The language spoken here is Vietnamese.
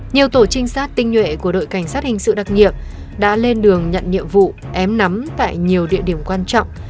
nhiều tổ trinh sát tinh nhuệ của đội cảnh sát hình sự đặc nhiệm đã lên đường nhận nhiệm vụ ém nắm tại nhiều địa điểm quan trọng